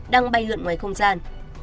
đang bay lượn ngoài không gian